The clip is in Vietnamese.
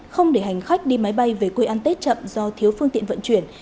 không để hành khách đi máy bay về quê ăn tết chậm do thiếu phương tiện vận chuyển